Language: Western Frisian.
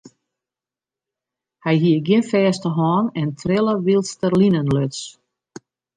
Hy hie gjin fêste hân en trille wylst er linen luts.